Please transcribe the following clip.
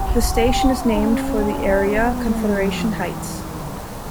The station is named for the area, Confederation Heights.